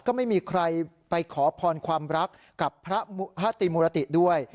ก็ไม่มีใครไปขอพรความรักกับพระติมุรติด้วย